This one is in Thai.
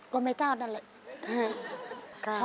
ก็แม่เท่านั่นแหละ